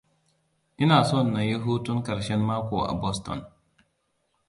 Ina son na yi hutun ƙarshen mako a Boston.